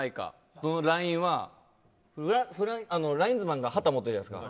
そのラインはラインズマンが旗を持ってるじゃないですか。